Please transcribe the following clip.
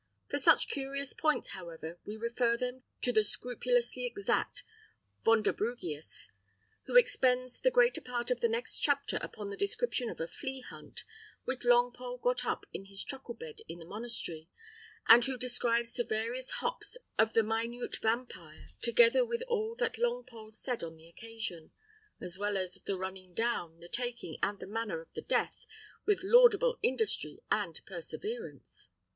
For such curious points, however, we refer them to the scrupulously exact Vonderbrugius, who expends the greater part of the next chapter upon the description of a flea hunt, which Longpole got up in his truckle bed in the monastery; and who describes the various hops of the minute vampire, together with all that Longpole said on the occasion, as well as the running down, the taking, and the manner of the death, with laudable industry and perseverance.